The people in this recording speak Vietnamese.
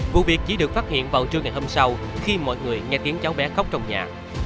vụ việc chỉ được phát hiện vào trưa ngày hôm sau khi mọi người nghe tiếng cháu bé khóc trong nhà